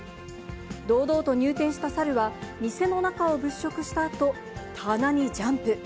堂々と入店した猿は、店の中を物色したあと、棚にジャンプ。